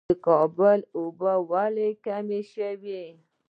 د کابل اوبه ولې کمې شوې؟